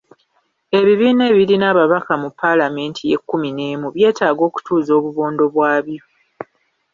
Ebibiina ebirina ababaka mu Palamenti ye kkumi n'emu byetaaga okutuuza obubondo bwabyo